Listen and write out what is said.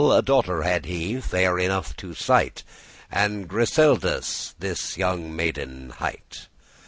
A daughter had he, fair enough to sight, And Griseldis this younge maiden hight.